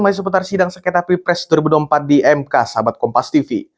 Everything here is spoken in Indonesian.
dari seputar sidang sekretari pres dua ribu empat di mk sahabat kompas tv